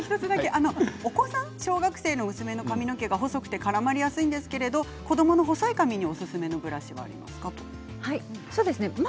小学生の娘の髪の毛が細くて絡まりやすいんですが子どもの細い髪におすすめのブラシはありますかということです。